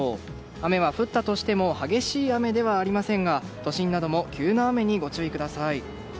雨は降ったとしても激しい雨ではありませんが都心なども急な雨に、ご注意ください。